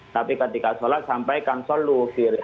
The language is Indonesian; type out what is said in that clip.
tapi kalau kita berjamaah di masjid kita tetap ada tarhim